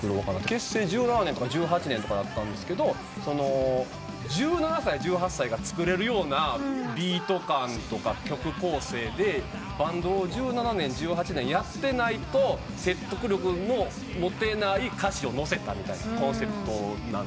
結成１７年とか１８年だったんですが１７歳１８歳が作れるようなビート感とか曲構成でバンドを１７年１８年やってないと説得力の持てない歌詞を乗せたみたいなコンセプトなんですよ。